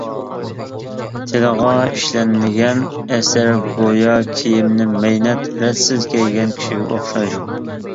تىلىغا ئىشلەنمىگەن ئەسەر گويا كىيىمىنى مەينەت، رەتسىز كىيگەن كىشىگە ئوخشايدۇ.